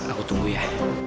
aku tunggu ya